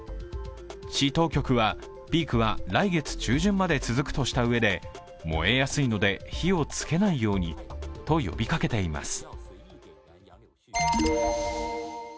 市当局はピークは来月中旬まで続くとしたうえで燃えやすいので火をつけないようにと呼びかけています。